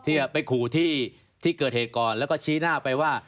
ไปขู่ที่เกิดเหตุก่อนแล้วก็ชี้หน้าไปว่า